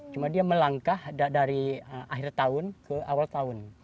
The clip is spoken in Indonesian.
cuma dia melangkah dari akhir tahun ke awal tahun